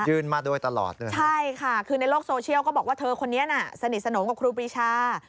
มาโดยตลอดเลยใช่ค่ะคือในโลกโซเชียลก็บอกว่าเธอคนนี้น่ะสนิทสนมกับครูปรีชา